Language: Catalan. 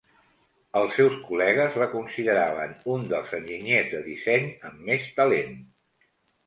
Els seus col·legues la consideraven un dels enginyers de disseny amb més talent.